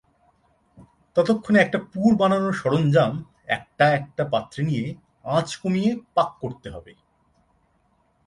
ততক্ষণে একটা পুর বানানোর সরঞ্জাম একটা একটা পাত্রে নিয়ে আঁচ কমিয়ে পাক করতে হবে।